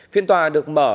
phiên tòa được mở